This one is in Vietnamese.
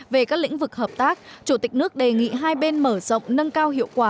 về các lĩnh vực hợp tác chủ tịch nước đề nghị hai bên mở rộng nâng cao hiệu quả